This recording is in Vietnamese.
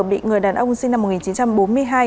bị người đàn ông sinh năm một nghìn chín trăm bốn mươi hai